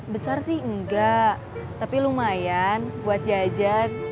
besar sih enggak tapi lumayan buat jajan